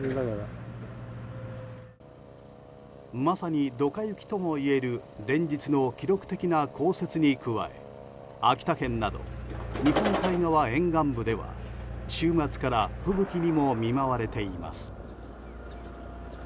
まさにドカ雪ともいえる連日の記録的な降雪に加え秋田県など日本海側沿岸部では週末から吹雪にも見舞われています。